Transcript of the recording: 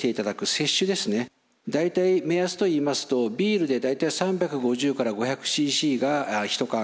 大体目安といいますとビールで大体３５０から５００ｃｃが１缶。